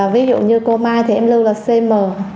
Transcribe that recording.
ví dụ như cô mai thì em lưu là cm